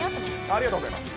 ありがとうございます。